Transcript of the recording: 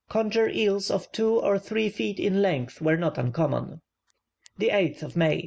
Conger eels of two or three feet in length were not uncommon. 8th May.